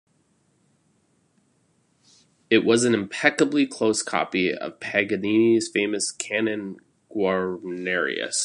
It was an impeccably close copy of Paganini's famous Cannone Guarnerius.